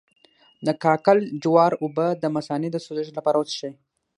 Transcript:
د کاکل جوار اوبه د مثانې د سوزش لپاره وڅښئ